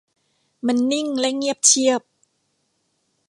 มันนิ่งและเงียบเชียบ